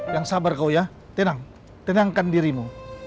yang sabar kau ya tenang tenangkan dirimu